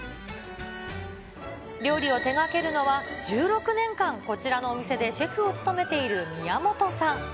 料理を手がけるのは、１６年間、こちらのお店でシェフを務めている宮本さん。